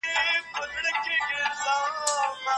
هغه معلومات چې کره نه دي موږ ته ګټه نه رسوي.